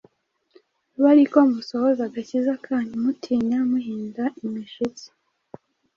mube ari ko musohoza agakiza kanyu, mutinya muhinda imishitsi.